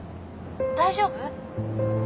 大丈夫？